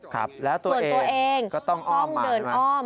ครับแล้วตัวเองก็ต้องอ้อมมาใช่ไหมครับคือส่วนตัวเองต้องเดินอ้อม